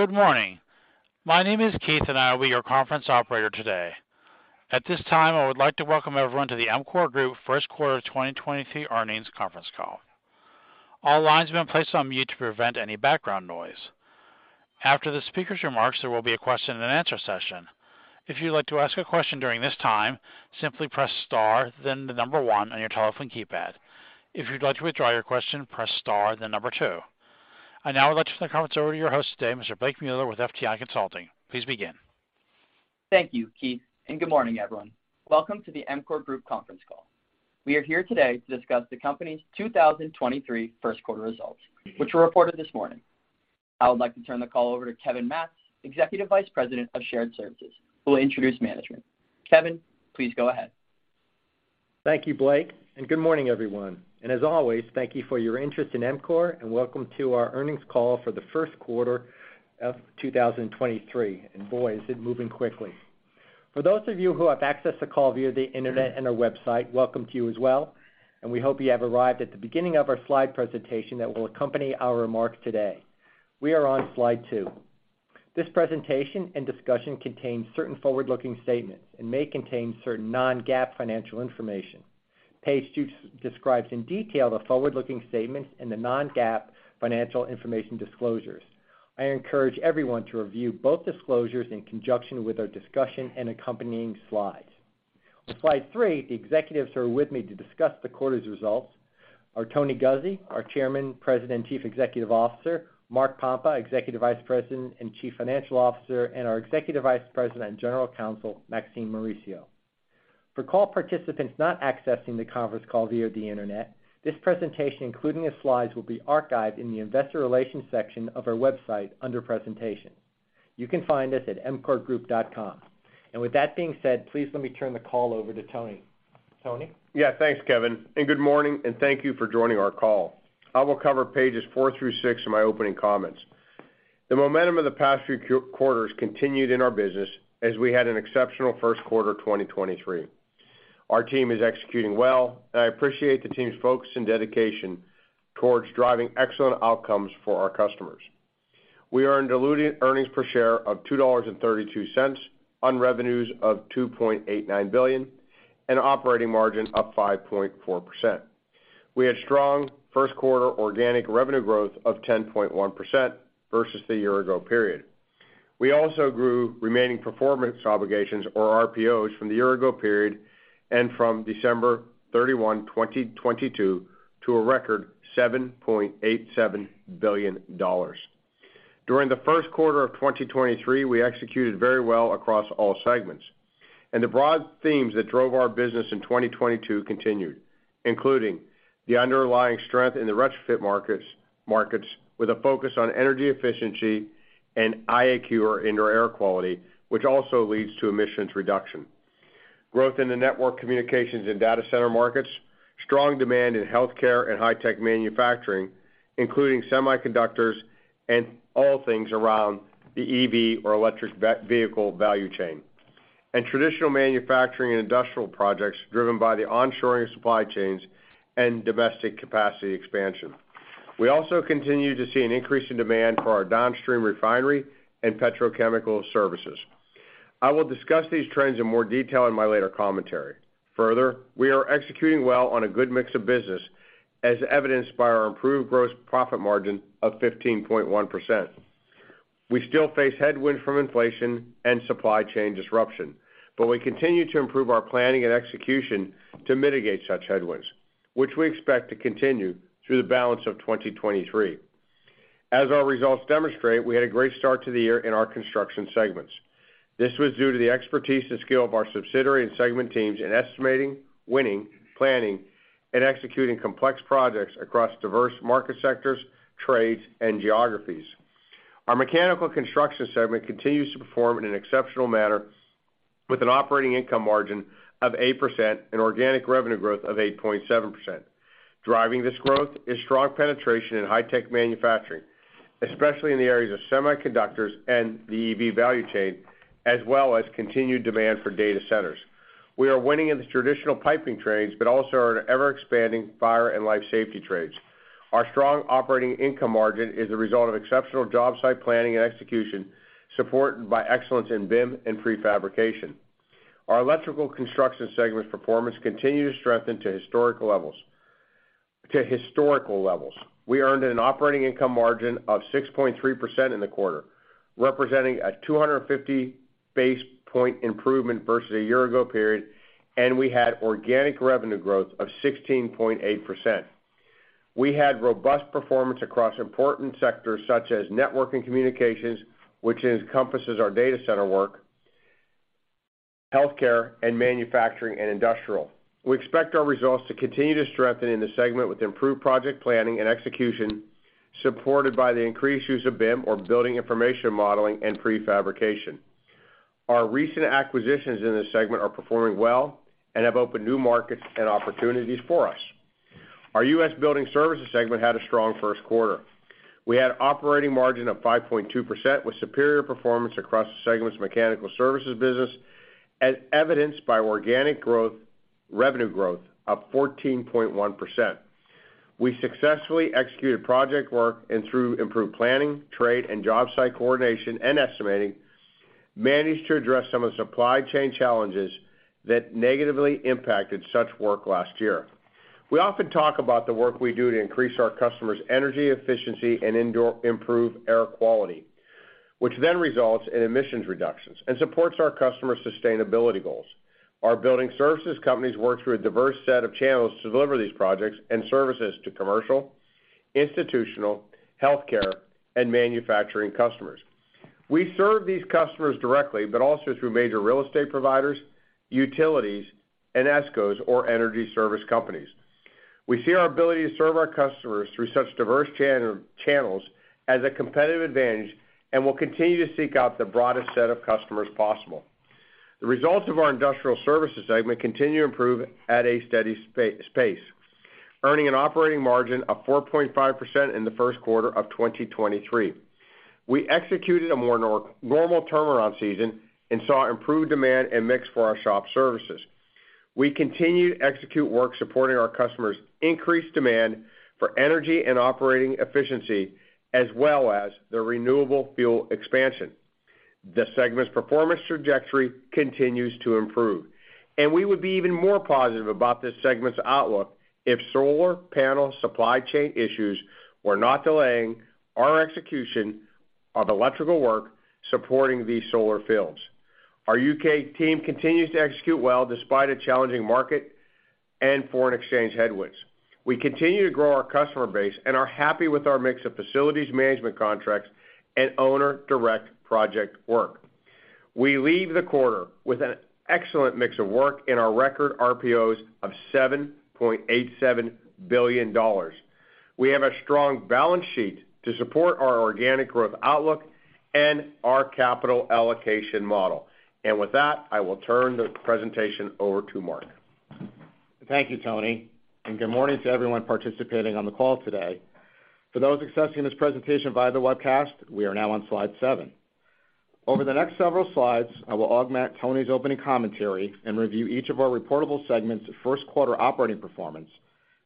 Good morning. My name is Keith, and I will be your conference operator today. At this time, I would like to welcome everyone to the EMCOR Group first quarter 2023 earnings conference call. All lines have been placed on mute to prevent any background noise. After the speaker's remarks, there will be a question and answer session. If you'd like to ask a question during this time, simply press star, then the number one on your telephone keypad. If you'd like to withdraw your question, press star, then number two. I now would like to turn the conference over to your host today, Mr. Blake Mueller with FTI Consulting. Please begin. Thank you, Keith, and good morning, everyone. Welcome to the EMCOR Group conference call. We are here today to discuss the company's 2023 first quarter results, which were reported this morning. I would like to turn the call over to Kevin Matz, Executive Vice President of Shared Services, who will introduce management. Kevin, please go ahead. Thank you, Blake, and good morning, everyone. As always, thank you for your interest in EMCOR, and welcome to our earnings call for the first quarter of 2023. Boy, is it moving quickly. For those of you who have accessed the call via the internet and our website, welcome to you as well, and we hope you have arrived at the beginning of our slide presentation that will accompany our remarks today. We are on slide two. This presentation and discussion contains certain forward-looking statements and may contain certain non-GAAP financial information. Page two describes in detail the forward-looking statements and the non-GAAP financial information disclosures. I encourage everyone to review both disclosures in conjunction with our discussion and accompanying slides. On slide three, the executives who are with me to discuss the quarter's results are Tony Guzzi, our Chairman, President, and Chief Executive Officer, Mark Pompa, Executive Vice President and Chief Financial Officer, and our Executive Vice President and General Counsel, Maxine Mauricio. For call participants not accessing the conference call via the internet, this presentation, including the slides, will be archived in the investor relations section of our website under presentations. You can find us at emcorgroup.com. With that being said, please let me turn the call over to Tony. Tony? Yeah. Thanks, Kevin. Good morning, and thank you for joining our call. I will cover pages four through six in my opening comments. The momentum of the past few quarters continued in our business as we had an exceptional first quarter 2023. Our team is executing well, and I appreciate the team's focus and dedication towards driving excellent outcomes for our customers. We earned diluted earnings per share of $2.32 on revenues of $2.89 billion and operating margin up 5.4%. We had strong first quarter organic revenue growth of 10.1% versus the year ago period. We also grew remaining performance obligations or RPOs from the year ago period and from December 31, 2022, to a record $7.87 billion. During the first quarter of 2023, we executed very well across all segments, and the broad themes that drove our business in 2022 continued, including the underlying strength in the retrofit markets with a focus on energy efficiency and IAQ or Indoor Air Quality, which also leads to emissions reduction. Growth in the network communications and data center markets, strong demand in healthcare and high-tech manufacturing, including semiconductors and all things around the EV or electric vehicle value chain, and traditional manufacturing and industrial projects driven by the onshoring of supply chains and domestic capacity expansion. We also continue to see an increase in demand for our downstream refinery and petrochemical services. I will discuss these trends in more detail in my later commentary. We are executing well on a good mix of business, as evidenced by our improved gross profit margin of 15.1%. We still face headwinds from inflation and supply chain disruption, we continue to improve our planning and execution to mitigate such headwinds, which we expect to continue through the balance of 2023. As our results demonstrate, we had a great start to the year in our construction segments. This was due to the expertise and skill of our subsidiary and segment teams in estimating, winning, planning, and executing complex projects across diverse market sectors, trades, and geographies. Our mechanical construction segment continues to perform in an exceptional manner with an operating income margin of 8% and organic revenue growth of 8.7%. Driving this growth is strong penetration in high-tech manufacturing, especially in the areas of semiconductors and the EV value chain, as well as continued demand for data centers. We are winning in the traditional piping trades, but also in our ever-expanding fire and life safety trades. Our strong operating income margin is a result of exceptional job site planning and execution, supported by excellence in BIM and prefabrication. Our electrical construction segment's performance continued to strengthen to historical levels. We earned an operating income margin of 6.3% in the quarter, representing a 250 basis point improvement versus a year ago period, and we had organic revenue growth of 16.8%. We had robust performance across important sectors such as network and communications, which encompasses our data center work, healthcare, and manufacturing and industrial. We expect our results to continue to strengthen in the segment with improved project planning and execution, supported by the increased use of BIM or Building Information Modeling and prefabrication. Our recent acquisitions in this segment are performing well and have opened new markets and opportunities for us. Our US Building Services segment had a strong first quarter. We had operating margin of 5.2% with superior performance across the segment's mechanical services business, as evidenced by organic growth, revenue growth of 14.1%. We successfully executed project work and through improved planning, trade, job site coordination, and estimating, managed to address some of the supply chain challenges that negatively impacted such work last year. We often talk about the work we do to increase our customers' energy efficiency and improve air quality, which then results in emissions reductions and supports our customers' sustainability goals. Our building services companies work through a diverse set of channels to deliver these projects and services to commercial, institutional, healthcare, and manufacturing customers. We serve these customers directly, also through major real estate providers, utilities, and ESCOs, or energy service companies. We see our ability to serve our customers through such diverse channels as a competitive advantage will continue to seek out the broadest set of customers possible. The results of our Industrial Services segment continue to improve at a steady pace, earning an operating margin of 4.5% in the first quarter of 2023. We executed a more normal turnaround season saw improved demand and mix for our shop services. We continue to execute work supporting our customers' increased demand for energy and operating efficiency, as well as their renewable fuel expansion. The segment's performance trajectory continues to improve, and we would be even more positive about this segment's outlook if solar panel supply chain issues were not delaying our execution of electrical work supporting these solar fields. Our U.K. team continues to execute well despite a challenging market and foreign exchange headwinds. We continue to grow our customer base and are happy with our mix of facilities management contracts and owner direct project work. We leave the quarter with an excellent mix of work in our record RPOs of $7.87 billion. We have a strong balance sheet to support our organic growth outlook and our capital allocation model. With that, I will turn the presentation over to Mark. Thank you, Tony, and good morning to everyone participating on the call today. For those accessing this presentation via the webcast, we are now on slide seven. Over the next several slides, I will augment Tony's opening commentary and review each of our reportable segments' first quarter operating performance,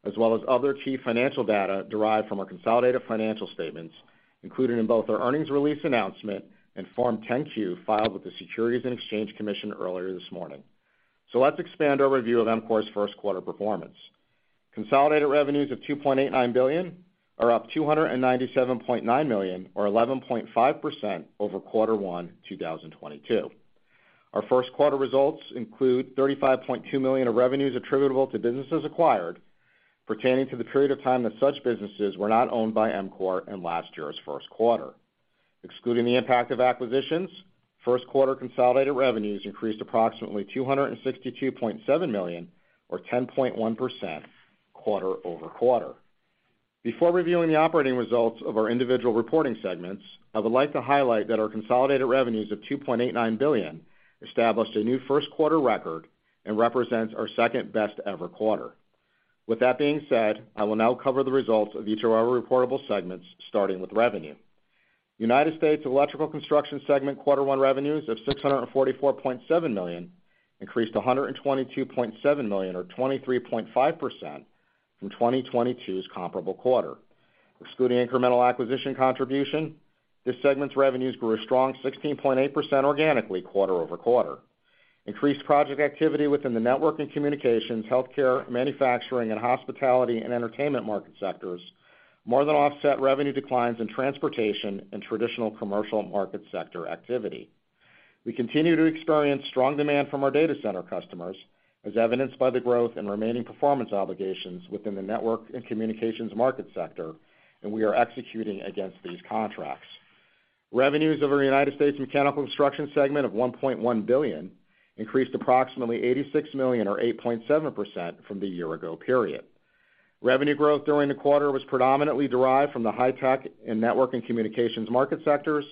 as well as other key financial data derived from our consolidated financial statements, including in both our earnings release announcement and Form 10-Q filed with the Securities and Exchange Commission earlier this morning. Let's expand our review of EMCOR's first quarter performance. Consolidated revenues of $2.89 billion are up $297.9 million or 11.5% over Q1 2022. Our first quarter results include $35.2 million of revenues attributable to businesses acquired pertaining to the period of time that such businesses were not owned by EMCOR in last year's first quarter. Excluding the impact of acquisitions, first quarter consolidated revenues increased approximately $262.7 million or 10.1% quarter-over-quarter. Before reviewing the operating results of our individual reporting segments, I would like to highlight that our consolidated revenues of $2.89 billion established a new first-quarter record and represents our second best ever quarter. That being said, I will now cover the results of each of our reportable segments, starting with revenue. United States Electrical Construction segment quarter one revenues of $644.7 million increased $122.7 million or 23.5% from 2022's comparable quarter. Excluding incremental acquisition contribution, this segment's revenues grew a strong 16.8% organically quarter-over-quarter. Increased project activity within the network and communications, healthcare, manufacturing, and hospitality and entertainment market sectors more than offset revenue declines in transportation and traditional commercial market sector activity. We continue to experience strong demand from our data center customers, as evidenced by the growth in remaining performance obligations within the network and communications market sector, and we are executing against these contracts. Revenues of our United States Mechanical Construction segment of $1.1 billion increased approximately $86 million or 8.7% from the year ago period. Revenue growth during the quarter was predominantly derived from the high-tech and network and communications market sectors.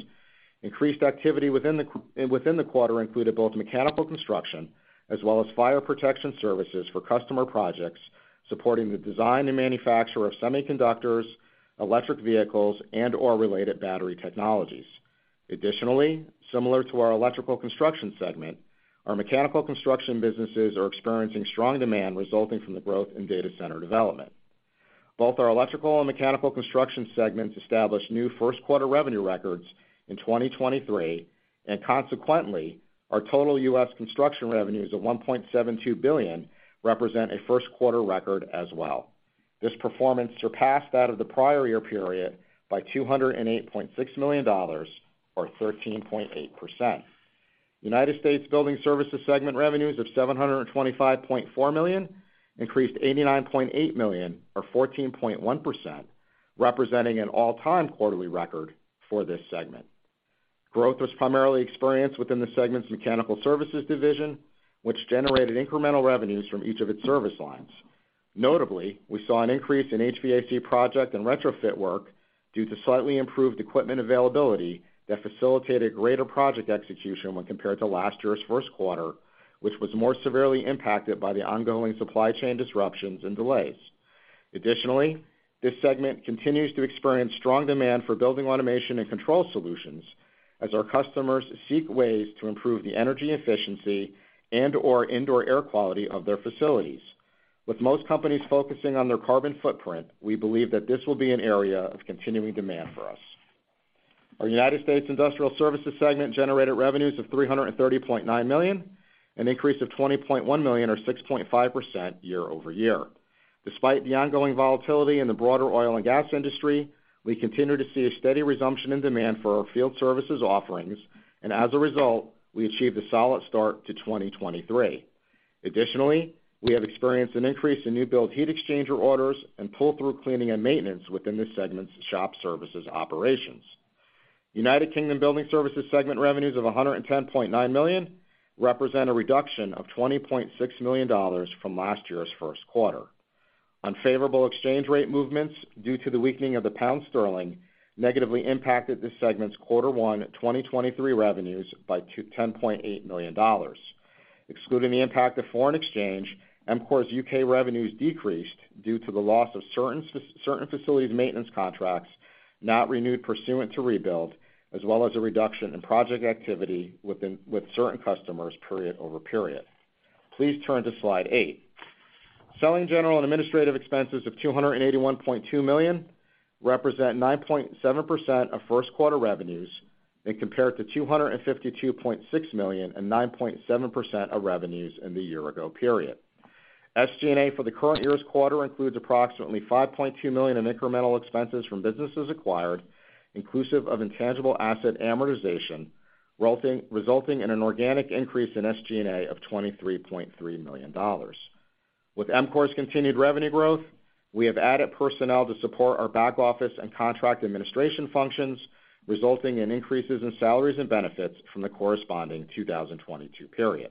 Increased activity within the quarter included both mechanical construction as well as fire protection services for customer projects, supporting the design and manufacture of semiconductors, electric vehicles, and/or related battery technologies. Additionally, similar to our Electrical Construction segment, our Mechanical Construction businesses are experiencing strong demand resulting from the growth in data center development. Both our Electrical and Mechanical Construction segments established new first-quarter revenue records in 2023, and consequently, our total U.S. construction revenues of $1.72 billion represent a first-quarter record as well. This performance surpassed that of the prior year period by $208.6 million or 13.8%. United States Building Services segment revenues of $725.4 million increased $89.8 million or 14.1%, representing an all-time quarterly record for this segment. Growth was primarily experienced within the segment's mechanical services division, which generated incremental revenues from each of its service lines. Notably, we saw an increase in HVAC project and retrofit work due to slightly improved equipment availability that facilitated greater project execution when compared to last year's first quarter, which was more severely impacted by the ongoing supply chain disruptions and delays. This segment continues to experience strong demand for building automation and control solutions as our customers seek ways to improve the energy efficiency and or indoor air quality of their facilities. With most companies focusing on their carbon footprint, we believe that this will be an area of continuing demand for us. Our United States Industrial Services segment generated revenues of $330.9 million, an increase of $20.1 million or 6.5% year-over-year. Despite the ongoing volatility in the broader oil and gas industry, we continue to see a steady resumption in demand for our field services offerings and as a result, we achieved a solid start to 2023. Additionally, we have experienced an increase in new build heat exchanger orders and pull-through cleaning and maintenance within this segment's shop services operations. United Kingdom Building Services segment revenues of $110.9 million represent a reduction of $20.6 million from last year's first quarter. Unfavorable exchange rate movements due to the weakening of the pound sterling negatively impacted this segment's quarter one 2023 revenues by $10.8 million. Excluding the impact of foreign exchange, EMCOR's UK revenues decreased due to the loss of certain facilities maintenance contracts not renewed pursuant to rebuild, as well as a reduction in project activity with certain customers period-over-period. Please turn to slide 8. Selling general and administrative expenses of $281.2 million represent 9.7% of first quarter revenues and compared to $252.6 million and 9.7% of revenues in the year-ago period. SG&A for the current year's quarter includes approximately $5.2 million in incremental expenses from businesses acquired, inclusive of intangible asset amortization, resulting in an organic increase in SG&A of $23.3 million. With EMCOR's continued revenue growth, we have added personnel to support our back office and contract administration functions, resulting in increases in salaries and benefits from the corresponding 2022 period.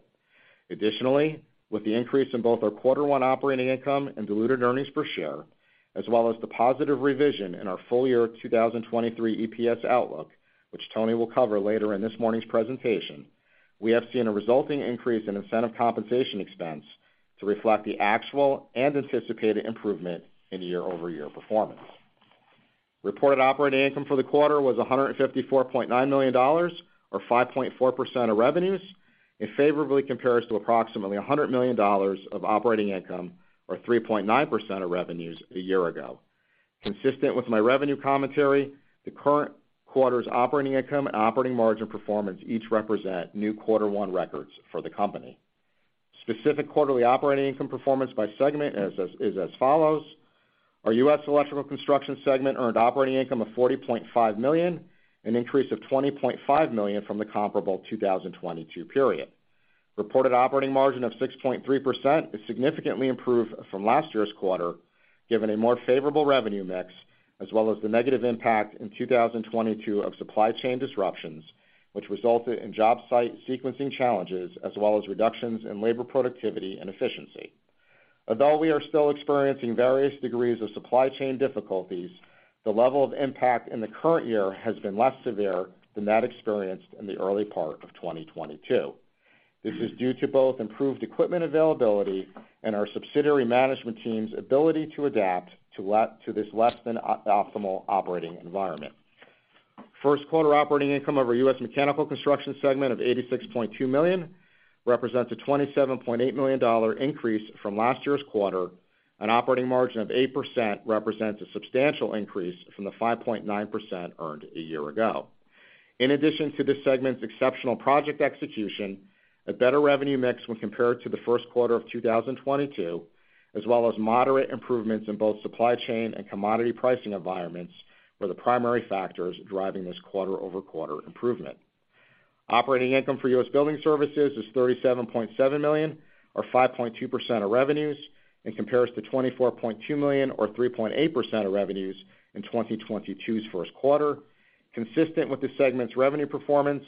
With the increase in both our Q1 operating income and diluted earnings per share, as well as the positive revision in our full-year 2023 EPS outlook, which Tony will cover later in this morning's presentation, we have seen a resulting increase in incentive compensation expense to reflect the actual and anticipated improvement in year-over-year performance. Reported operating income for the quarter was $154.9 million or 5.4% of revenues. It favorably compares to approximately $100 million of operating income or 3.9% of revenues a year ago. Consistent with my revenue commentary, the current quarter's operating income and operating margin performance each represent new quarter one records for the company. Specific quarterly operating income performance by segment as is as follows: Our U.S. electrical construction segment earned operating income of $40.5 million, an increase of $20.5 million from the comparable 2022 period. Reported operating margin of 6.3% is significantly improved from last year's quarter, given a more favorable revenue mix, as well as the negative impact in 2022 of supply chain disruptions, which resulted in job site sequencing challenges as well as reductions in labor productivity and efficiency. Although we are still experiencing various degrees of supply chain difficulties, the level of impact in the current year has been less severe than that experienced in the early part of 2022. This is due to both improved equipment availability and our subsidiary management team's ability to adapt to this less than optimal operating environment. First quarter operating income of our US mechanical construction segment of $86.2 million represents a $27.8 million increase from last year's quarter. An operating margin of 8% represents a substantial increase from the 5.9% earned a year ago. In addition to this segment's exceptional project execution, a better revenue mix when compared to the first quarter of 2022, as well as moderate improvements in both supply chain and commodity pricing environments were the primary factors driving this quarter-over-quarter improvement. Operating income for United States Building Services is $37.7 million or 5.2% of revenues and compares to $24.2 million or 3.8% of revenues in 2022's first quarter. Consistent with the segment's revenue performance,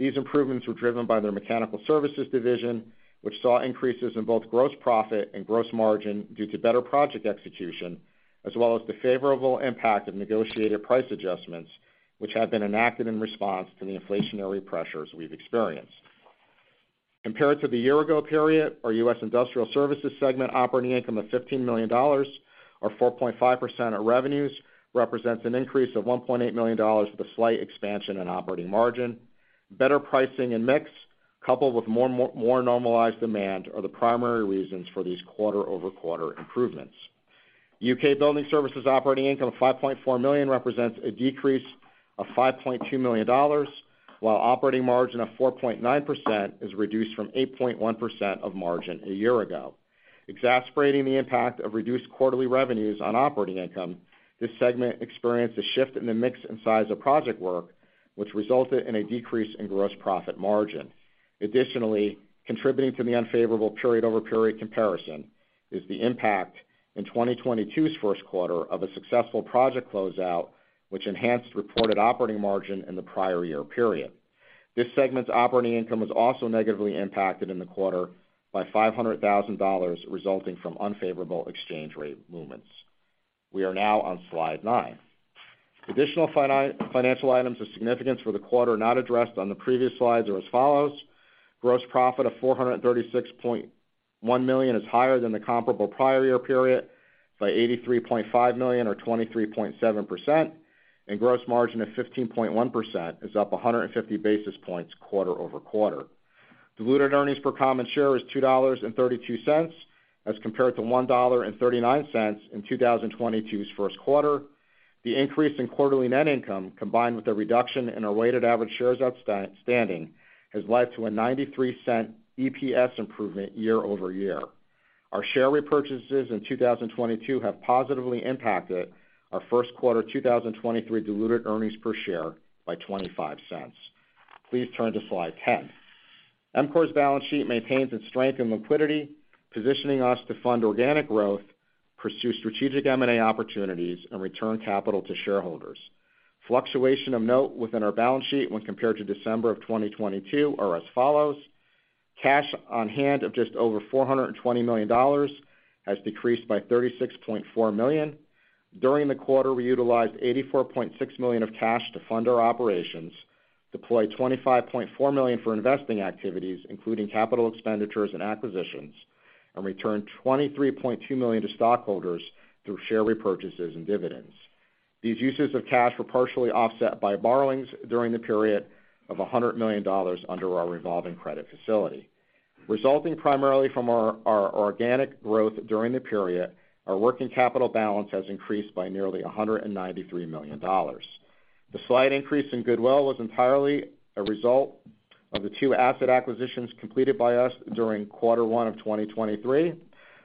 these improvements were driven by their mechanical services division, which saw increases in both gross profit and gross margin due to better project execution, as well as the favorable impact of negotiated price adjustments, which have been enacted in response to the inflationary pressures we've experienced. Compared to the year-ago period, our United States Industrial Services segment operating income of $15 million or 4.5% of revenues represents an increase of $1.8 million with a slight expansion in operating margin. Better pricing and mix coupled with more normalized demand are the primary reasons for these quarter-over-quarter improvements. UK Building Services operating income of $5.4 million represents a decrease of $5.2 million, while operating margin of 4.9% is reduced from 8.1% of margin a year ago. Exacerbating the impact of reduced quarterly revenues on operating income, this segment experienced a shift in the mix and size of project work, which resulted in a decrease in gross profit margin. Contributing to the unfavorable period-over-period comparison is the impact in 2022's first quarter of a successful project closeout, which enhanced reported operating margin in the prior year period. This segment's operating income was also negatively impacted in the quarter by $500,000 resulting from unfavorable exchange rate movements. We are now on slide 9. Additional financial items of significance for the quarter not addressed on the previous slides are as follows. Gross profit of $436.1 million is higher than the comparable prior year period by $83.5 million or 23.7%, and gross margin of 15.1% is up 150 basis points quarter-over-quarter. Diluted earnings per common share is $2.32, as compared to $1.39 in 2022's first quarter. The increase in quarterly net income, combined with a reduction in our weighted average shares outstanding, has led to a $0.93 EPS improvement year-over-year. Our share repurchases in 2022 have positively impacted our first quarter 2023 diluted earnings per share by $0.25. Please turn to slide 10. EMCOR's balance sheet maintains its strength and liquidity, positioning us to fund organic growth, pursue strategic M&A opportunities, and return capital to shareholders. Fluctuation of note within our balance sheet when compared to December of 2022 are as follows: Cash on hand of just over $420 million has decreased by $36.4 million. During the quarter, we utilized $84.6 million of cash to fund our operations, deployed $25.4 million for investing activities, including capital expenditures and acquisitions, and returned $23.2 million to stockholders through share repurchases and dividends. These uses of cash were partially offset by borrowings during the period of $100 million under our revolving credit facility. Resulting primarily from our organic growth during the period, our working capital balance has increased by nearly $193 million. The slight increase in goodwill was entirely a result of the two asset acquisitions completed by us during quarter one of 2023,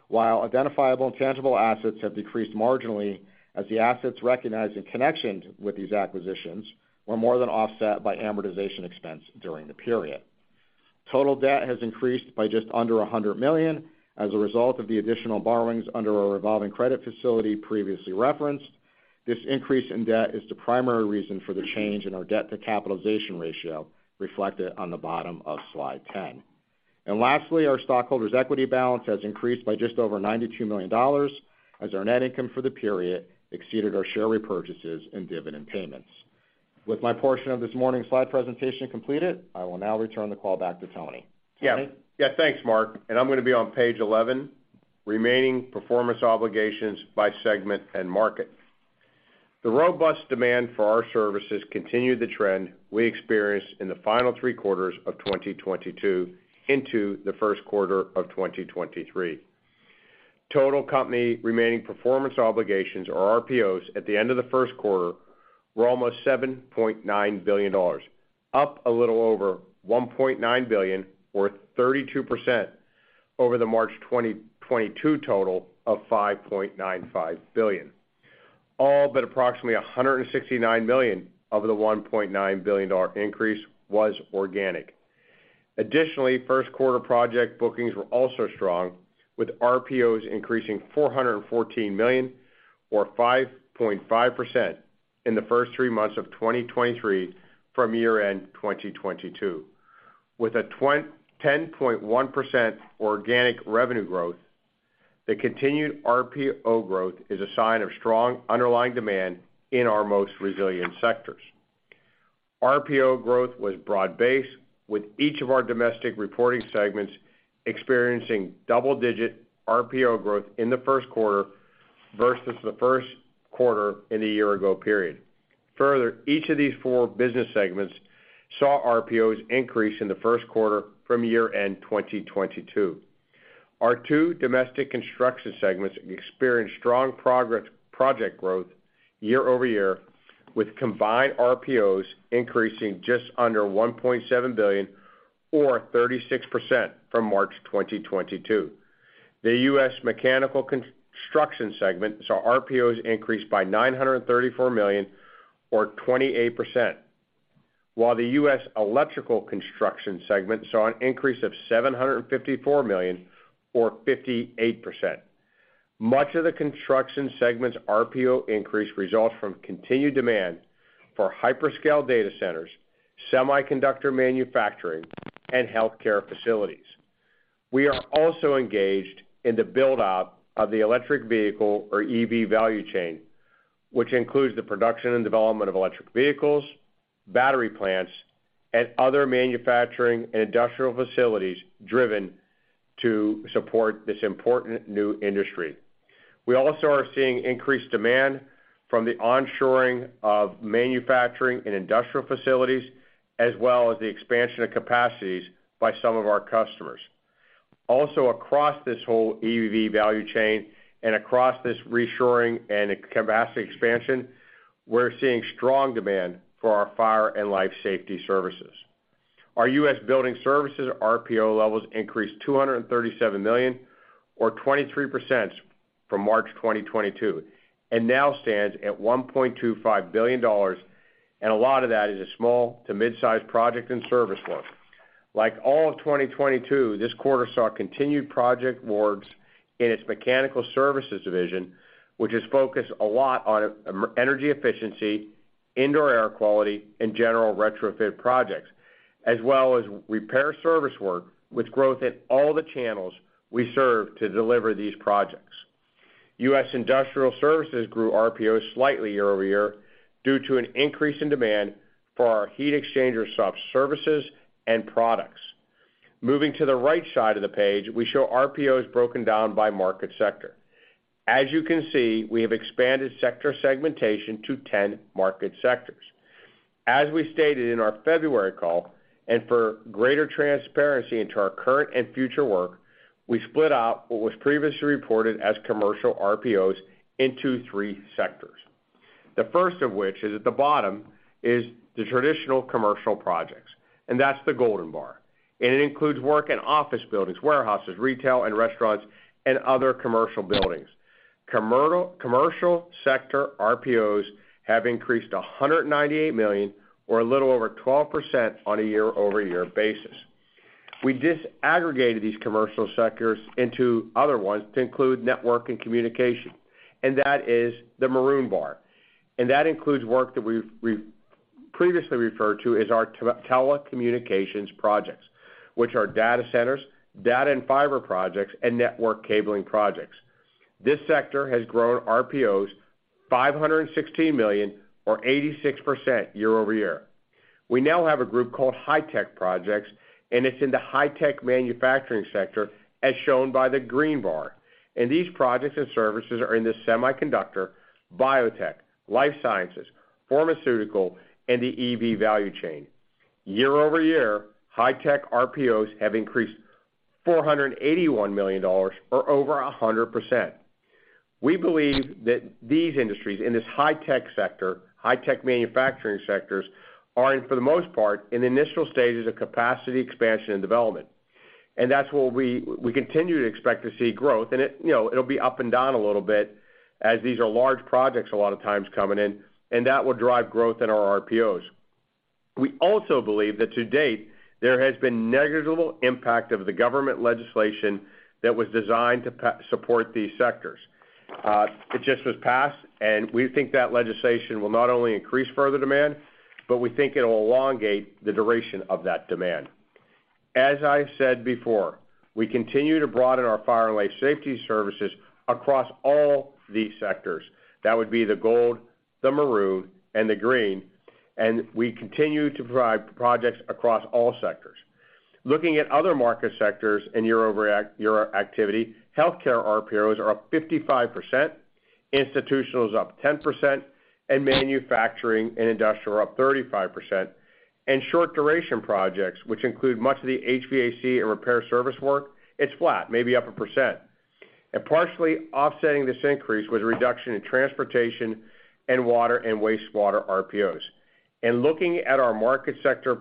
while identifiable and tangible assets have decreased marginally as the assets recognized in connection with these acquisitions were more than offset by amortization expense during the period. Total debt has increased by just under $100 million as a result of the additional borrowings under our revolving credit facility previously referenced. This increase in debt is the primary reason for the change in our debt to capitalization ratio reflected on the bottom of slide 10. Lastly, our stockholders' equity balance has increased by just over $92 million as our net income for the period exceeded our share repurchases and dividend payments. With my portion of this morning's slide presentation completed, I will now return the call back to Tony. Tony? Yeah. Yeah, thanks, Mark. I'm gonna be on page 11, remaining performance obligations by segment and market. The robust demand for our services continued the trend we experienced in the final three quarters of 2022 into the first quarter of 2023. Total company remaining performance obligations, or RPOs, at the end of the first quarter were almost $7.9 billion, up a little over $1.9 billion or 32% over the March 2022 total of $5.95 billion. All but approximately $169 million of the $1.9 billion increase was organic. First quarter project bookings were also strong, with RPOs increasing $414 million or 5.5% in the first three months of 2023 from year-end 2022. With a 10.1% organic revenue growth, the continued RPO growth is a sign of strong underlying demand in our most resilient sectors. RPO growth was broad-based, with each of our domestic reporting segments experiencing double-digit RPO growth in the first quarter versus the first quarter in the year-ago period. Each of these four business segments saw RPOs increase in the first quarter from year-end 2022. Our two domestic construction segments experienced strong project growth year-over-year, with combined RPOs increasing just under $1.7 billion or 36% from March 2022. The US mechanical construction segment saw RPOs increase by $934 million or 28%, while the US electrical construction segment saw an increase of $754 million or 58%. Much of the construction segment's RPO increase results from continued demand for hyperscale data centers, semiconductor manufacturing, and healthcare facilities. We are also engaged in the build-out of the electric vehicle or EV value chain, which includes the production and development of electric vehicles, battery plants, and other manufacturing and industrial facilities driven to support this important new industry. We also are seeing increased demand from the onshoring of manufacturing and industrial facilities, as well as the expansion of capacities by some of our customers. Across this whole EV value chain and across this reshoring and capacity expansion, we're seeing strong demand for our fire and life safety services. Our US Building Services RPO levels increased $237 million or 23% from March 2022. Now stands at $1.25 billion, a lot of that is a small to mid-size project and service work. Like all of 2022, this quarter saw continued project awards in its mechanical services division, which has focused a lot on energy efficiency, Indoor Air Quality, and general retrofit projects, as well as repair service work with growth in all the channels we serve to deliver these projects. US Industrial Services grew RPO slightly year-over-year due to an increase in demand for our heat exchanger sub services and products. Moving to the right side of the page, we show RPOs broken down by market sector. As you can see, we have expanded sector segmentation to 10 market sectors. As we stated in our February call, for greater transparency into our current and future work, we split out what was previously reported as commercial RPOs into three sectors. The first of which is at the bottom is the traditional commercial projects, that's the golden bar. It includes work in office buildings, warehouses, retail and restaurants, and other commercial buildings. Commercial sector RPOs have increased $198 million or a little over 12% on a year-over-year basis. We disaggregated these commercial sectors into other ones to include network and communication, that is the maroon bar. That includes work that we've previously referred to as our telecommunications projects, which are data centers, data and fiber projects, and network cabling projects. This sector has grown RPOs $516 million or 86% year-over-year. We now have a group called high-tech projects, and it's in the high-tech manufacturing sector, as shown by the green bar. These projects and services are in the semiconductor, biotech, life sciences, pharmaceutical, and the EV value chain. Year-over-year, high-tech RPOs have increased $481 million or over 100%. We believe that these industries in this high-tech manufacturing sectors are in, for the most part, in the initial stages of capacity expansion and development. That's where we continue to expect to see growth. It, you know, it'll be up and down a little bit as these are large projects a lot of times coming in, and that will drive growth in our RPOs. We also believe that to date, there has been negligible impact of the government legislation that was designed to support these sectors. It just was passed, we think that legislation will not only increase further demand, but we think it'll elongate the duration of that demand. As I said before, we continue to broaden our fire and life safety services across all these sectors. That would be the gold, the maroon, and the green, we continue to provide projects across all sectors. Looking at other market sectors and year activity, healthcare RPOs are up 55%, institutional is up 10%, manufacturing and industrial are up 35%. Short-duration projects, which include much of the HVAC and repair service work, it's flat, maybe up 1%. Partially offsetting this increase was a reduction in transportation and water and wastewater RPOs. In looking at our market sector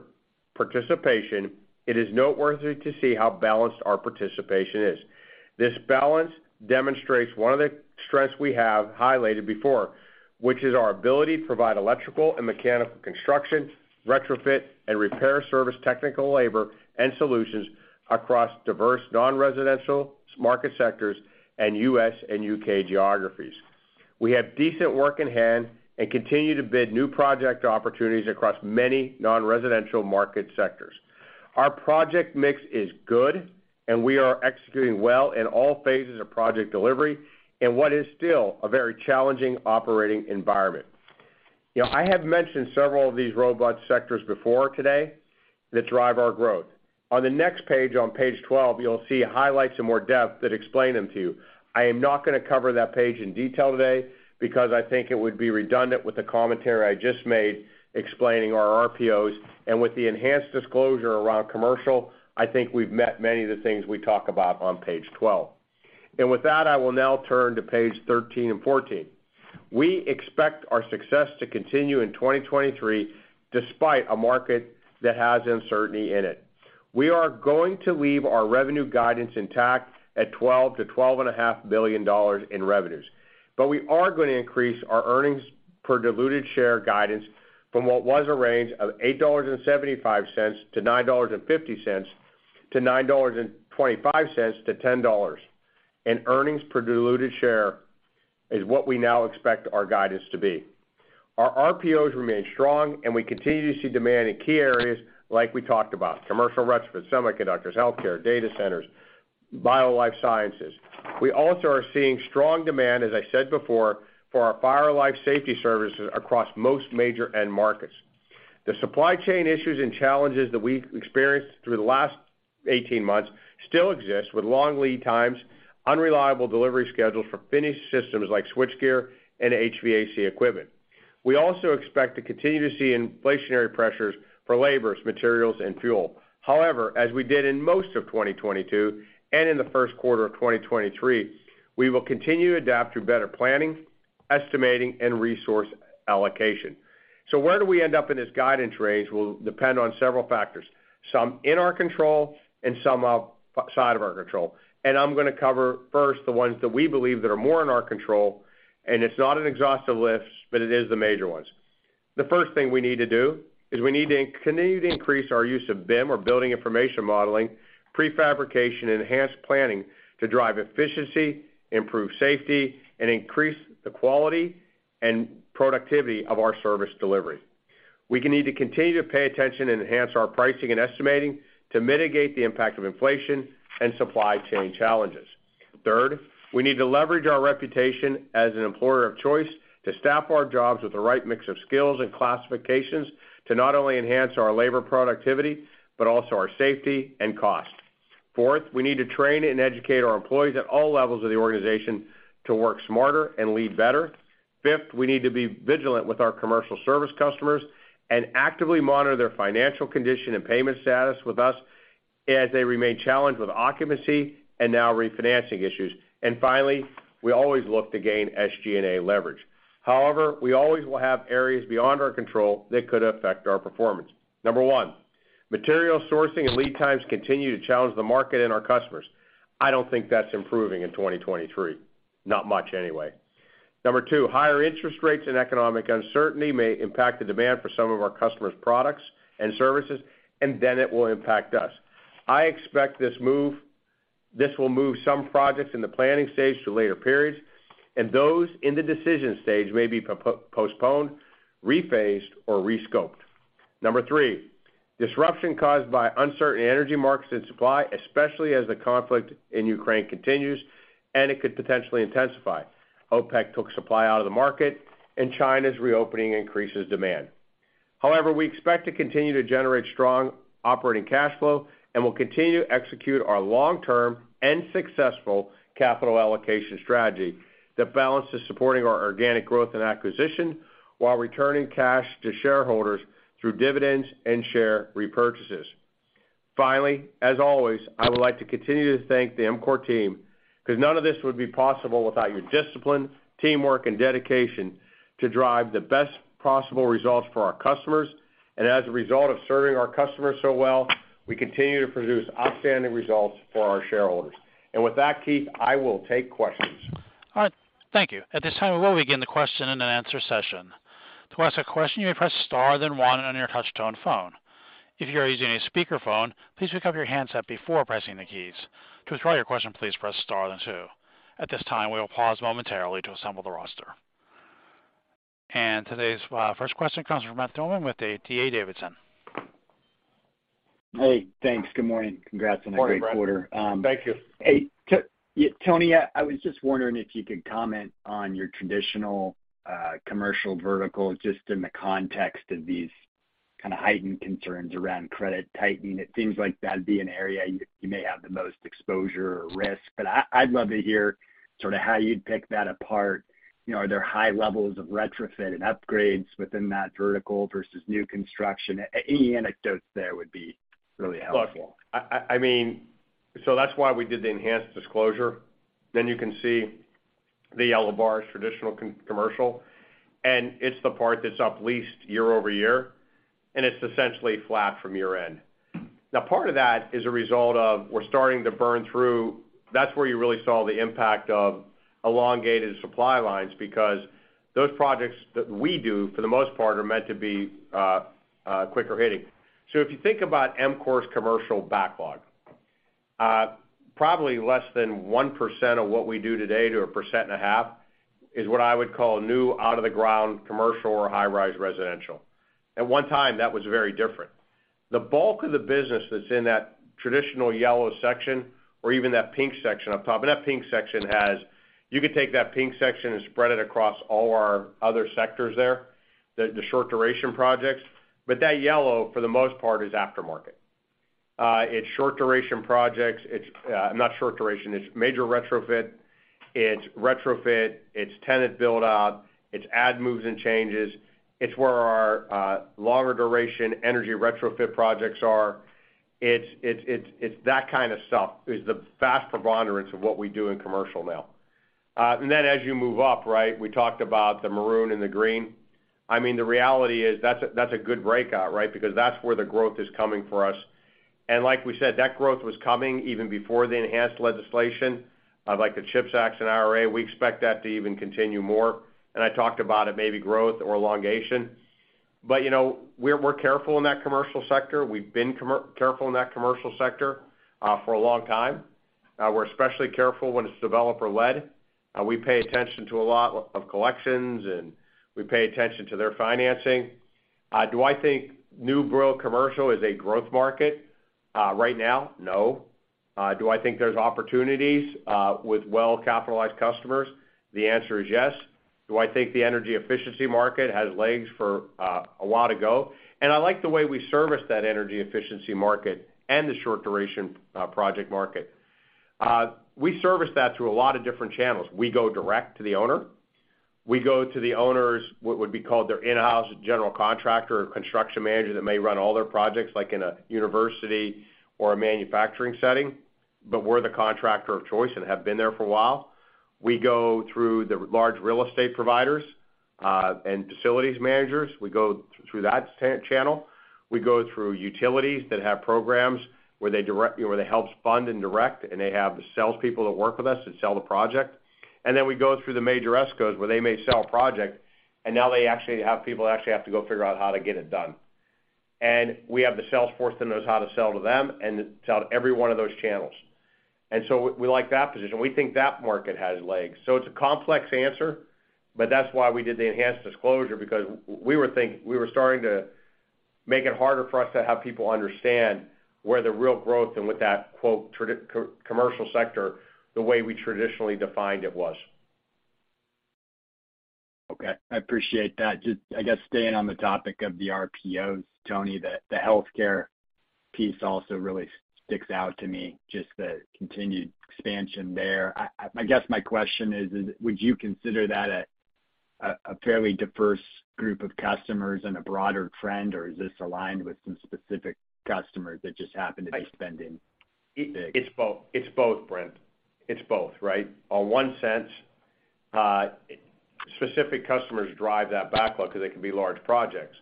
participation, it is noteworthy to see how balanced our participation is. This balance demonstrates one of the strengths we have highlighted before, which is our ability to provide electrical and mechanical construction, retrofit and repair service, technical labor and solutions across diverse non-residential market sectors and U.S. and U.K. geographies. We have decent work in-hand and continue to bid new project opportunities across many non-residential market sectors. Our project mix is good, and we are executing well in all phases of project delivery in what is still a very challenging operating environment. You know, I have mentioned several of these robust sectors before today that drive our growth. On the next page, on page 12, you'll see highlights in more depth that explain them to you. I am not gonna cover that page in detail today because I think it would be redundant with the commentary I just made explaining our RPOs. With the enhanced disclosure around commercial, I think we've met many of the things we talk about on page 12. With that, I will now turn to page 13 and 14. We expect our success to continue in 2023 despite a market that has uncertainty in it. We are gonna leave our revenue guidance intact at $12 billion-$12.5 billion in revenues. We are gonna increase our EPS guidance from what was a range of $8.75-$9.50 to $9.25-$10. EPS is what we now expect our guidance to be. Our RPOs remain strong, and we continue to see demand in key areas like we talked about, commercial retrofits, semiconductors, healthcare, data centers, bio life sciences. We also are seeing strong demand, as I said before, for our fire life safety services across most major end markets. The supply chain issues and challenges that we've experienced through the last 18 months still exist with long lead times, unreliable delivery schedules for finished systems like switchgear and HVAC equipment. We also expect to continue to see inflationary pressures for labors, materials, and fuel. However, as we did in most of 2022 and in the first quarter of 2023, we will continue to adapt through better planning, estimating, and resource allocation. Where do we end up in this guidance range will depend on several factors, some in our control and some outside of our control. I'm going to cover first the ones that we believe that are more in our control, and it's not an exhaustive list, but it is the major ones. The first thing we need to do is we need to continue to increase our use of BIM or Building Information Modeling, prefabrication, and enhanced planning to drive efficiency, improve safety, and increase the quality and productivity of our service delivery. We need to continue to pay attention and enhance our pricing and estimating to mitigate the impact of inflation and supply chain challenges. Third, we need to leverage our reputation as an employer of choice to staff our jobs with the right mix of skills and classifications to not only enhance our labor productivity, but also our safety and cost. Fourth, we need to train and educate our employees at all levels of the organization to work smarter and lead better. Fifth, we need to be vigilant with our commercial service customers and actively monitor their financial condition and payment status with us as they remain challenged with occupancy and now refinancing issues. Finally, we always look to gain SG&A leverage. However, we always will have areas beyond our control that could affect our performance. Number one, material sourcing and lead times continue to challenge the market and our customers. I don't think that's improving in 2023, not much anyway. Number two, higher interest rates and economic uncertainty may impact the demand for some of our customers' products and services, and then it will impact us. I expect this will move some projects in the planning stage to later periods, and those in the decision stage may be postponed, rephased, or rescoped. Number three, disruption caused by uncertain energy markets and supply, especially as the conflict in Ukraine continues, and it could potentially intensify. OPEC took supply out of the market, and China's reopening increases demand. However, we expect to continue to generate strong operating cash flow, and we'll continue to execute our long-term and successful capital allocation strategy that balances supporting our organic growth and acquisition while returning cash to shareholders through dividends and share repurchases. Finally, as always, I would like to continue to thank the EMCOR team because none of this would be possible without your discipline, teamwork, and dedication to drive the best possible results for our customers. As a result of serving our customers so well, we continue to produce outstanding results for our shareholders. With that, Keith, I will take questions. All right. Thank you. At this time, we will begin the question and answer session. To ask a question, you may press star then one on your touch tone phone. If you're using a speakerphone, please pick up your handset before pressing the keys. To withdraw your question, please press star then two. At this time, we will pause momentarily to assemble the roster. Today's first question comes from Brent Thielman with D.A. Davidson. Hey, thanks. Good morning. Congrats on a great quarter. Morning, Brent. Thank you. Hey, Tony, I was just wondering if you could comment on your traditional commercial vertical, just in the context of these kinda heightened concerns around credit tightening. It seems like that'd be an area you may have the most exposure or risk. I'd love to hear sorta how you'd pick that apart. You know, are there high levels of retrofit and upgrades within that vertical versus new construction? Any anecdotes there would be really helpful. I mean, that's why we did the enhanced disclosure. You can see the yellow bar's traditional commercial, and it's the part that's up least year-over-year, and it's essentially flat from year-end. Part of that is a result of we're starting to burn through. That's where you really saw the impact of elongated supply lines because those projects that we do, for the most part, are meant to be quicker hitting. If you think about EMCOR's commercial backlog, probably less than 1% of what we do today to 1.5% is what I would call new, out of the ground commercial or high-rise residential. At one time, that was very different. The bulk of the business that's in that traditional yellow section or even that pink section up top. That pink section has... You could take that pink section and spread it across all our other sectors there, the short duration projects. That yellow, for the most part, is aftermarket. It's short duration projects. It's not short duration. It's major retrofit. It's retrofit. It's tenant build out. It's ad moves and changes. It's where our longer duration energy retrofit projects are. It's that kind of stuff is the vast preponderance of what we do in commercial now. Then as you move up, right, we talked about the maroon and the green. I mean, the reality is that's a, that's a good breakout, right? Because that's where the growth is coming for us. Like we said, that growth was coming even before the enhanced legislation of like the CHIPS Act and IRA. We expect that to even continue more. I talked about it, maybe growth or elongation. You know, we're careful in that commercial sector. We've been careful in that commercial sector for a long time. We're especially careful when it's developer-led. We pay attention to a lot of collections, and we pay attention to their financing. Do I think new build commercial is a growth market? Right now, no. Do I think there's opportunities with well-capitalized customers? The answer is yes. Do I think the energy efficiency market has legs for a while to go? I like the way we service that energy efficiency market and the short duration project market. We service that through a lot of different channels. We go direct to the owner. We go to the owners, what would be called their in-house general contractor or construction manager that may run all their projects, like in a university or a manufacturing setting, but we're the contractor of choice and have been there for a while. We go through the large real estate providers and facilities managers. We go through that channel. We go through utilities that have programs where that helps fund and direct, and they have the salespeople that work with us that sell the project. Then we go through the major ESCOs where they may sell a project, and now they actually have people that actually have to go figure out how to get it done. We have the sales force that knows how to sell to them and sell to every one of those channels. We like that position. We think that market has legs. It's a complex answer, but that's why we did the enhanced disclosure because we were starting to make it harder for us to have people understand where the real growth and with that quote, commercial sector, the way we traditionally defined it was. Okay. I appreciate that. Just, I guess, staying on the topic of the RPOs, Tony, the healthcare piece also really sticks out to me, just the continued expansion there. I guess my question is would you consider that a fairly diverse group of customers and a broader trend, or is this aligned with some specific customers that just happen to be spending big? It's both. It's both, Brent. It's both, right? On one sense, specific customers drive that backlog because they can be large projects.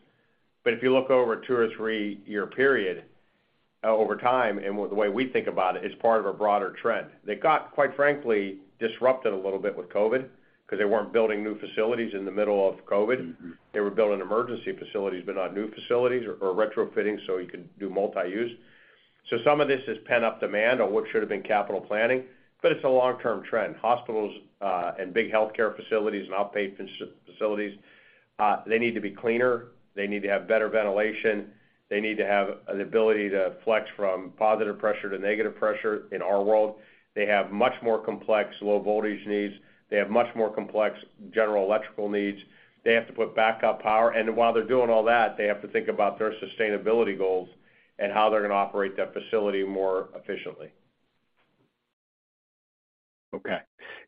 If you look over a two or three-year period, over time, and the way we think about it's part of a broader trend. They got, quite frankly, disrupted a little bit with COVID because they weren't building new facilities in the middle of COVID. Mm-hmm. They were building emergency facilities, but not new facilities or retrofitting so you could do multi-use. Some of this is pent-up demand on what should have been capital planning, but it's a long-term trend. Hospitals, and big healthcare facilities and outpatient facilities, they need to be cleaner. They need to have better ventilation. They need to have an ability to flex from positive pressure to negative pressure in our world. They have much more complex low voltage needs. They have much more complex general electrical needs. They have to put backup power. While they're doing all that, they have to think about their sustainability goals and how they're gonna operate that facility more efficiently. Okay.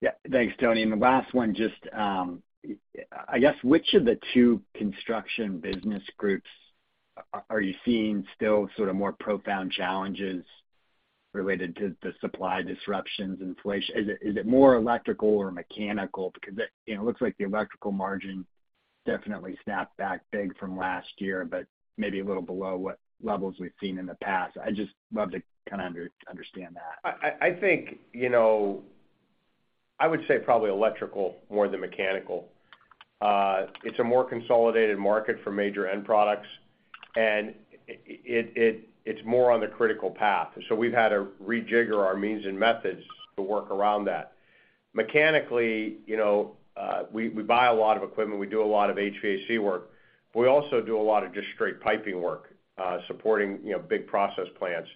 Yeah. Thanks, Tony. The last one, just, I guess, which of the two construction business groups are you seeing still sort of more profound challenges related to the supply disruptions, inflation? Is it, is it more electrical or mechanical? Because, you know, it looks like the electrical margin definitely snapped back big from last year, but maybe a little below what levels we've seen in the past. I'd just love to kind of understand that. I think, you know, I would say probably electrical more than mechanical. It's a more consolidated market for major end products, it's more on the critical path. We've had to rejigger our means and methods to work around that. Mechanically, you know, we buy a lot of equipment. We do a lot of HVAC work. We also do a lot of just straight piping work, supporting, you know, big process plants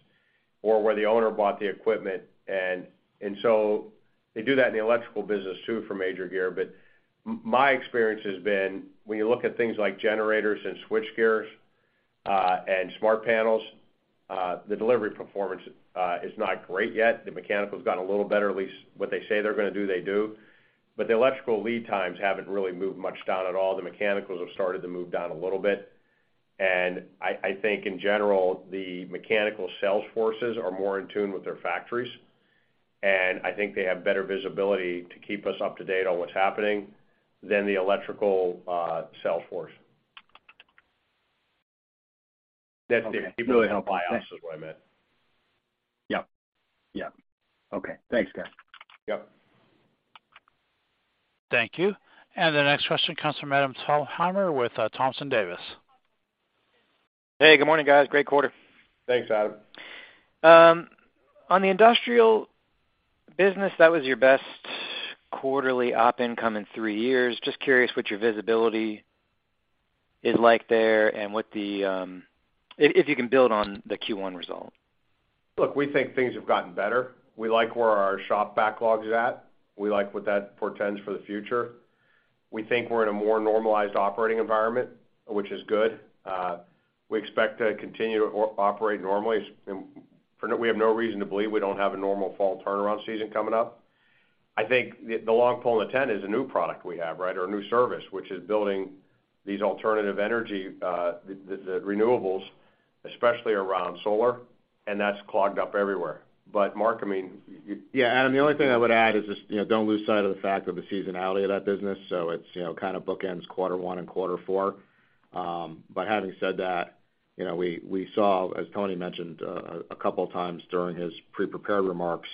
or where the owner bought the equipment. They do that in the electrical business, too, for major gear. My experience has been when you look at things like generators and switch gears, and smart panels, the delivery performance is not great yet. The mechanical's gotten a little better. At least what they say they're gonna do, they do. The electrical lead times haven't really moved much down at all. The mechanicals have started to move down a little bit. I think in general, the mechanical sales forces are more in tune with their factories, and I think they have better visibility to keep us up to date on what's happening than the electrical sales force. Okay. That's the people that help buy ops is what I meant. Yep. Yep. Okay. Thanks, guys. Yep. Thank you. The next question comes from Adam Thalhimer with, Thompson Davis. Hey, good morning, guys. Great quarter. Thanks, Adam. On the industrial business, that was your best quarterly Op income in three years. Just curious what your visibility is like there and what the, if you can build on the Q1 result. Look, we think things have gotten better. We like where our shop backlog is at. We like what that portends for the future. We think we're in a more normalized operating environment, which is good. We expect to continue to operate normally. We have no reason to believe we don't have a normal fall turnaround season coming up. I think the long pole in the tent is a new product we have, right? A new service, which is building these alternative energy, the renewables, especially around solar, and that's clogged up everywhere. Mark, I mean, you. Adam, the only thing I would add is just, you know, don't lose sight of the fact of the seasonality of that business. It's, you know, kind of bookends quarter one and quarter four. Having said that, you know, we saw, as Tony mentioned a couple of times during his pre-prepared remarks,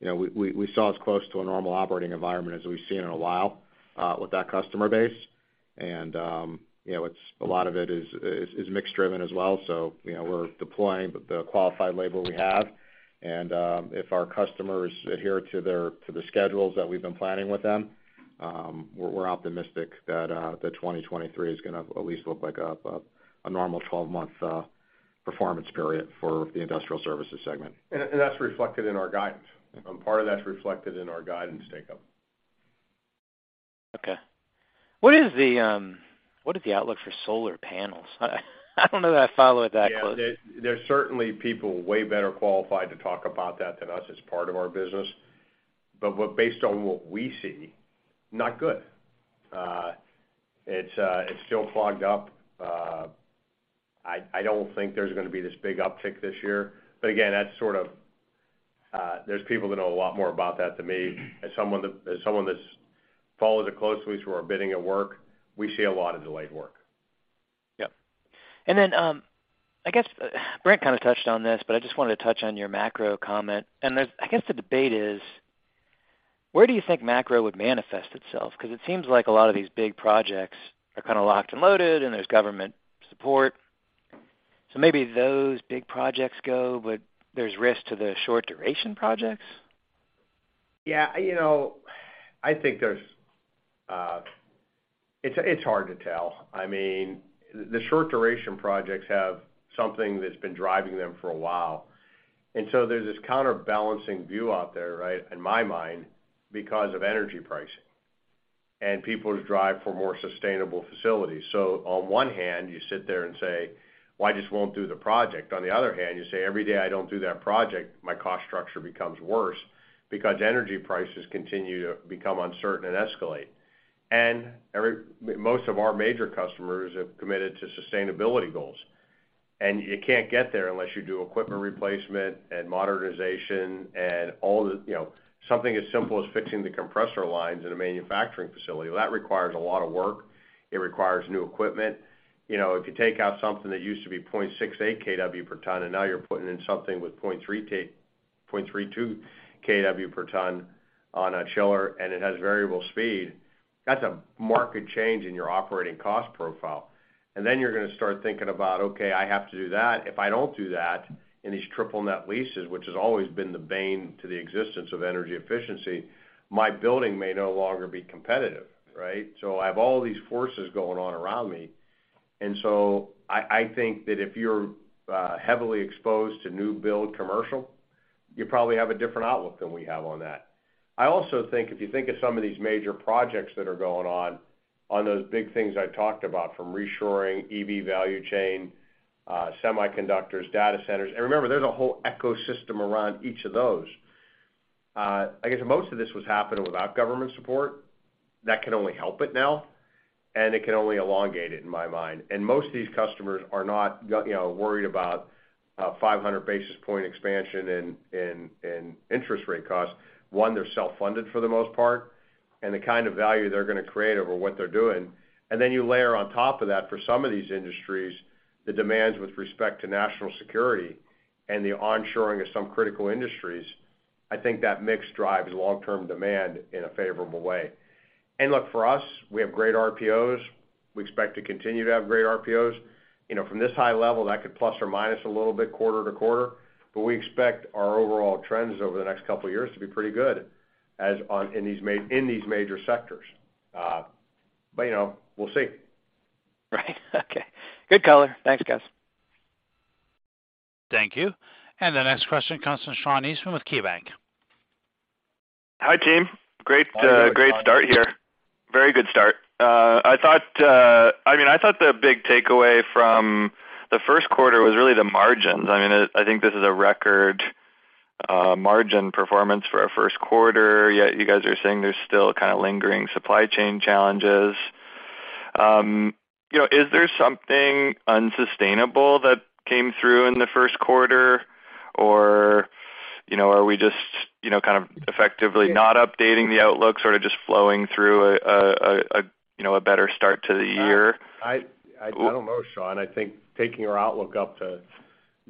you know, we saw as close to a normal operating environment as we've seen in a while with that customer base. You know, a lot of it is mixed driven as well. You know, we're deploying the qualified labor we have. If our customers adhere to the schedules that we've been planning with them, we're optimistic that 2023 is gonna at least look like a normal 12 month performance period for the industrial services segment. That's reflected in our guidance. Part of that's reflected in our guidance take-up. What is the outlook for solar panels? I don't know that I follow it that close. Yeah. There's certainly people way better qualified to talk about that than us as part of our business. Based on what we see, not good. It's still clogged up. I don't think there's gonna be this big uptick this year. Again, that's sort of, there's people that know a lot more about that than me. As someone that's followed it closely, we're bidding at work, we see a lot of delayed work. Yep. I guess Brent kind of touched on this, but I just wanted to touch on your macro comment. I guess the debate is, where do you think macro would manifest itself? It seems like a lot of these big projects are kinda locked and loaded, and there's government support. Maybe those big projects go, but there's risk to the short duration projects. Yeah, you know, I think there's. It's hard to tell. I mean, the short duration projects have something that's been driving them for a while. There's this counterbalancing view out there, right, in my mind, because of energy pricing and people's drive for more sustainable facilities. On one hand, you sit there and say, "Well, I just won't do the project." On the other hand, you say, "Every day I don't do that project, my cost structure becomes worse because energy prices continue to become uncertain and escalate." Most of our major customers have committed to sustainability goals, and you can't get there unless you do equipment replacement and modernization and all the, you know, something as simple as fixing the compressor lines in a manufacturing facility. Well, that requires a lot of work. It requires new equipment. You know, if you take out something that used to be 0.68 kW per ton, and now you're putting in something with 0.32 kW per ton on a chiller, and it has variable speed, that's a market change in your operating cost profile. Then you're gonna start thinking about, "Okay, I have to do that. If I don't do that in these triple net leases," which has always been the bane to the existence of energy efficiency, "my building may no longer be competitive," right? I have all these forces going on around me. So I think that if you're heavily exposed to new build commercial, you probably have a different outlook than we have on that. I also think if you think of some of these major projects that are going on those big things I talked about, from reshoring, EV value chain, semiconductors, data centers. Remember, there's a whole ecosystem around each of those. I guess most of this was happening without government support. That can only help it now, and it can only elongate it, in my mind. Most of these customers are not you know, worried about 500 basis point expansion in interest rate costs. One, they're self-funded for the most part, and the kind of value they're gonna create over what they're doing. Then you layer on top of that for some of these industries, the demands with respect to national security and the onshoring of some critical industries. I think that mix drives long-term demand in a favorable way. Look, for us, we have great RPOs. We expect to continue to have great RPOs. You know, from this high level, that could plus or minus a little bit quarter-to-quarter, but we expect our overall trends over the next couple of years to be pretty good as in these major sectors. You know, we'll see. Right. Okay. Good color. Thanks, guys. Thank you. The next question comes from Sean Eastman with KeyBanc. Hi, team. Great How are you, Sean? Great start here. Very good start. I mean, I thought the big takeaway from the first quarter was really the margins. I mean, I think this is a record margin performance for our first quarter, yet you guys are saying there's still kind of lingering supply chain challenges. You know, is there something unsustainable that came through in the first quarter? You know, are we just, you know, kind of effectively not updating the outlook, sort of just flowing through a, you know, a better start to the year? I don't know, Sean. I think taking our outlook up to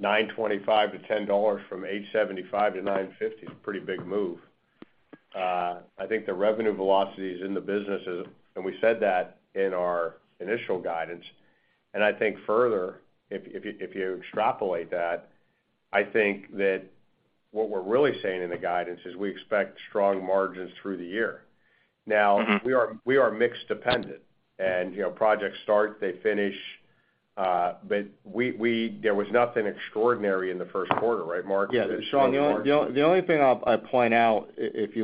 $9.25-$10 from $8.75-$9.50 is a pretty big move. I think the revenue velocity is in the businesses, and we said that in our initial guidance. I think further, if you extrapolate that, I think that what we're really saying in the guidance is we expect strong margins through the year. Mm-hmm. We are mix dependent and, you know, projects start, they finish, but there was nothing extraordinary in the first quarter, right, Mark? Yeah. Sean, the only thing I'll point out, if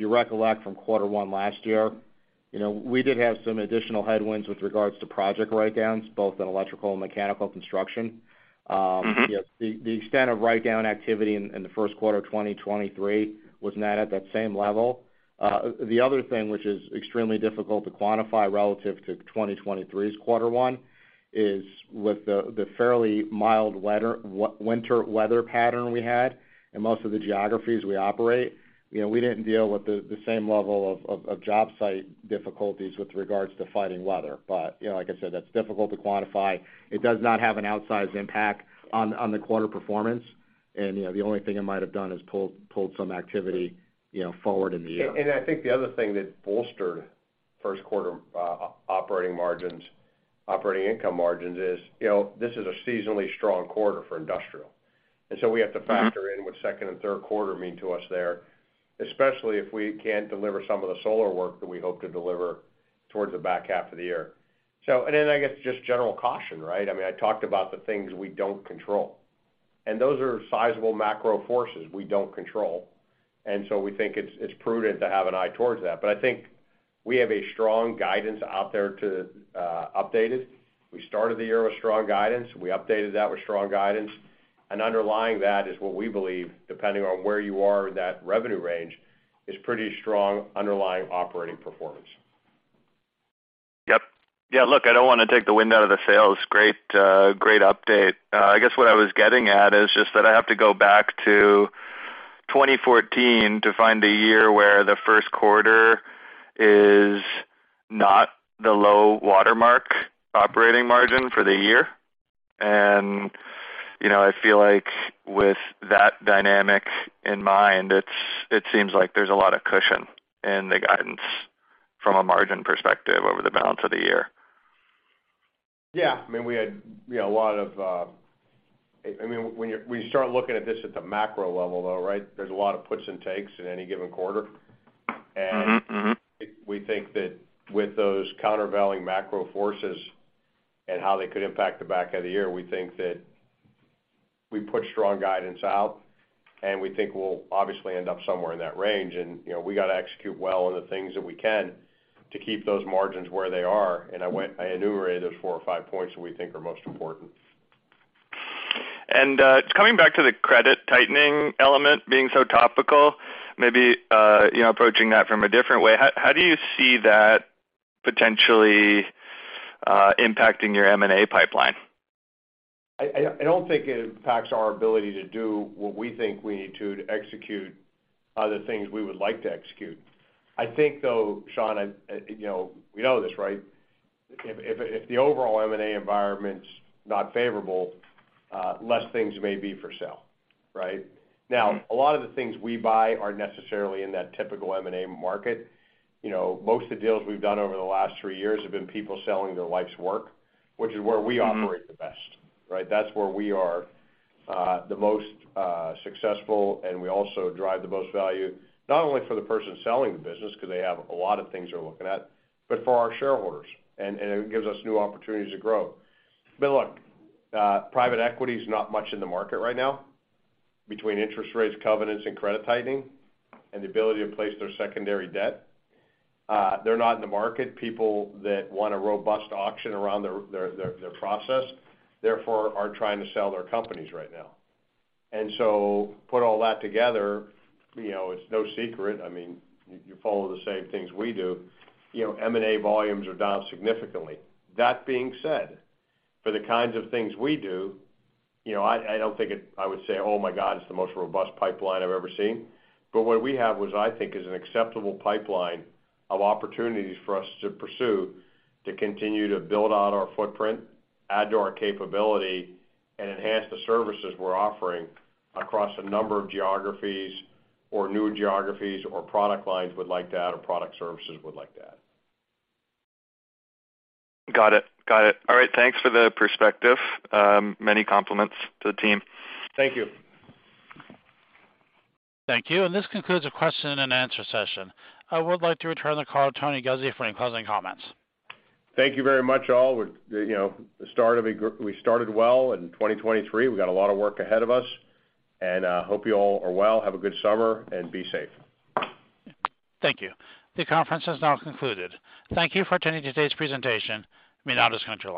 you recollect from quarter one last year, you know, we did have some additional headwinds with regards to project write-downs, both in electrical and mechanical construction. Mm-hmm. The extent of write-down activity in the first quarter of 2023 was not at that same level. The other thing which is extremely difficult to quantify relative to 2023's quarter one is with the fairly mild winter weather pattern we had in most of the geographies we operate. You know, we didn't deal with the same level of job site difficulties with regards to fighting weather. You know, like I said, that's difficult to quantify. It does not have an outsized impact on the quarter performance. You know, the only thing it might have done is pulled some activity, you know, forward in the year. I think the other thing that bolstered first quarter operating margins, operating income margins is, you know, this is a seasonally strong quarter for industrial. We have to factor in what second and third quarter mean to us there, especially if we can't deliver some of the solar work that we hope to deliver towards the back half of the year. I guess just general caution, right? I mean, I talked about the things we don't control, and those are sizable macro forces we don't control. We think it's prudent to have an eye towards that. I think we have a strong guidance out there to update it. We started the year with strong guidance. We updated that with strong guidance. Underlying that is what we believe, depending on where you are in that revenue range, is pretty strong underlying operating performance. Yep. Yeah, look, I don't wanna take the wind out of the sails. Great, great update. I guess what I was getting at is just that I have to go back to 2014 to find the year where the first quarter is not the low watermark operating margin for the year. You know, I feel like with that dynamic in mind, it seems like there's a lot of cushion in the guidance from a margin perspective over the balance of the year. I mean, we had, you know, a lot of. I mean, when you start looking at this at the macro level, though, right? There's a lot of puts and takes in any given quarter. Mm-hmm. Mm-hmm. We think that with those countervailing macro forces and how they could impact the back end of the year, we think that we put strong guidance out, and we think we'll obviously end up somewhere in that range. You know, we gotta execute well on the things that we can to keep those margins where they are, I enumerated those four or five points that we think are most important. Coming back to the credit tightening element being so topical, maybe, you know, approaching that from a different way, how do you see that potentially impacting your M&A pipeline? I don't think it impacts our ability to do what we think we need to execute other things we would like to execute. I think though, Sean, I, you know, we know this, right? If the overall M&A environment's not favorable, less things may be for sale, right? Now, a lot of the things we buy aren't necessarily in that typical M&A market. You know, most of the deals we've done over the last three years have been people selling their life's work, which is where we operate the best, right? That's where we are the most successful, and we also drive the most value, not only for the person selling the business 'cause they have a lot of things they're looking at, but for our shareholders. It gives us new opportunities to grow. Look, private equity is not much in the market right now between interest rates, covenants, and credit tightening and the ability to place their secondary debt. They're not in the market. People that want a robust auction around their process, therefore are trying to sell their companies right now. Put all that together, you know, it's no secret, I mean, you follow the same things we do, you know, M&A volumes are down significantly. That being said, for the kinds of things we do, you know, I don't think I would say, "Oh my god, it's the most robust pipeline I've ever seen." What we have was, I think, is an acceptable pipeline of opportunities for us to pursue to continue to build out our footprint, add to our capability, and enhance the services we're offering across a number of geographies or new geographies or product lines we'd like to add or product services we'd like to add. Got it. All right. Thanks for the perspective. Many compliments to the team. Thank you. Thank you. This concludes the question and answer session. I would like to return the call to Tony Guzzi for any closing comments. Thank you very much, all. We're, you know, we started well in 2023. We've got a lot of work ahead of us. Hope you all are well. Have a good summer, and be safe. Thank you. The conference has now concluded. Thank you for attending today's presentation. You may now disconnect your lines.